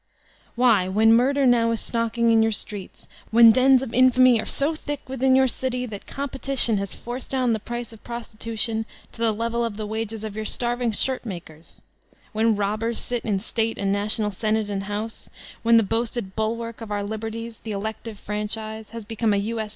Why, when murder now is stalking in your streets, when dens of infamy are so thick within your city that competition has forced down the price of prosti tution to the level of the wages of your starving shirt makers ; when robbers sit in State and national Senate and House, when the boasted "bulwark of our liberties/* the elective franchise, has become a U. S.